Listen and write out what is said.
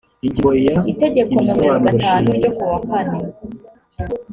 itegeko nomero gatanu ryo kuwa kane